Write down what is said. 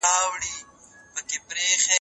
ټکنالوژي د معلوماتو چټک انتقال اسانوي.